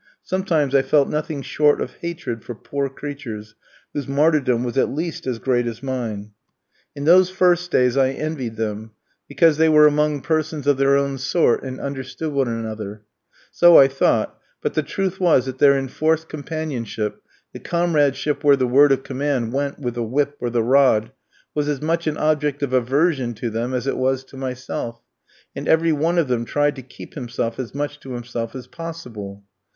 Sometimes I felt nothing short of hatred for poor creatures whose martyrdom was at least as great as mine. In those first days I envied them, because they were among persons of their own sort, and understood one another; so I thought, but the truth was that their enforced companionship, the comradeship where the word of command went with the whip or the rod, was as much an object of aversion to them as it was to myself, and every one of them tried to keep himself as much to himself as possible.